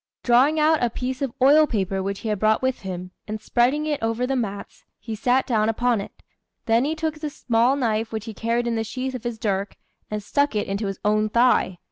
Drawing out a piece of oil paper which he had brought with him, and spreading it over the mats, he sat down upon it; then he took the small knife which he carried in the sheath of his dirk, and stuck it into his own thigh.